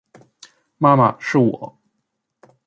妈妈，是我